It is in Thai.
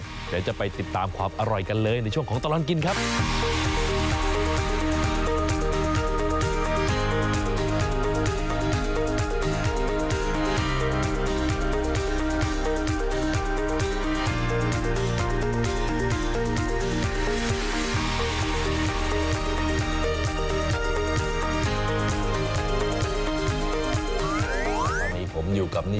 เดี๋ยวจะไปติดตามความอร่อยกันเลยในช่วงของตลอดกินครับ